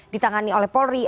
ditangani oleh polri